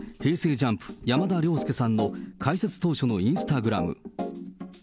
ＪＵＭＰ・山田涼介さんの開設当初のインスタグラム。